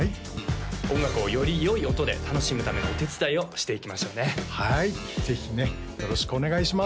音楽をよりよい音で楽しむためのお手伝いをしていきましょうねはいぜひねよろしくお願いします